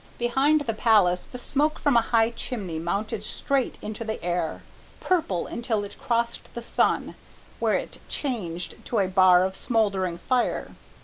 Behind the Palace the smoke from a high chimney mounted straight into the air, purple until it crossed the sun, where it changed to a bar of smouldering fire.